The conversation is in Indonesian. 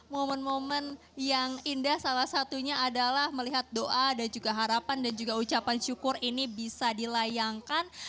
dan moment yang indah salah satunya adalah melihat doa dan juga harapan dan juga ucapan syukur ini bisa dilayangkan